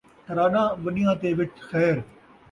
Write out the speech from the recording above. تراݙاں وݙیاں تے وچ خیر